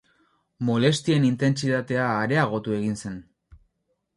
Molestien intentsitatea areagotu egin zen.